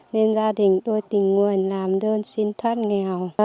nên gia đình tôi tình nguyện làm đơn xin thoát nghèo